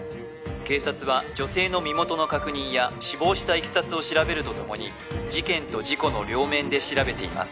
警察は女性の身元の確認や死亡したいきさつを調べるとともに事件と事故の両面で調べています